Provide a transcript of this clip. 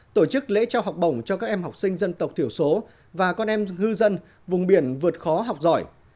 tổ chức lễ trao học bổng cho các em học sinh dân tộc thiểu số và con em hư dân vùng biển vượt khó học giỏi